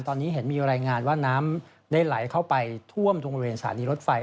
ตอนนี้เห็นมีรายงานว่าน้ำได้ไหลเข้าไปท่วมตรงบริเวณสถานีรถไฟ